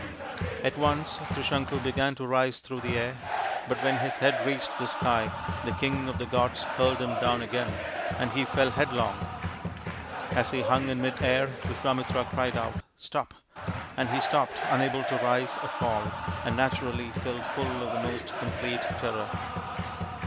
At once Trisanku began ta rise through the air, but when his head reached the sky the king of the gods hurled him down again, and he fell headlong. As he hung in mid air, Visvamitra cried out, " Stop !" and he stopped, unable to rise or fall, and naturally filled full of the most complete terror.